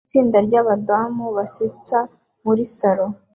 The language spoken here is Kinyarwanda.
Itsinda ryabadamu basetsa muri salo